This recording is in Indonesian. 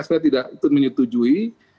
sebenarnya tidak itu menyetujui